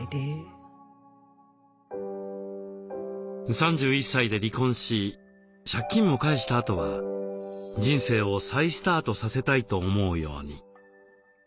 ３１歳で離婚し借金も返したあとは人生を再スタートさせたいと思うように。